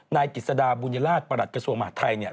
นายกฤษดาบุญราชประหลัดกระสุนมหาสไทยเนี่ย